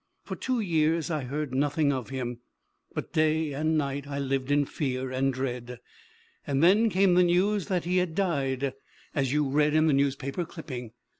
For two years I heard nothing of him; but day and night I lived in fear and dread. And then came the news that he had died, as you read in the newspaper clipping.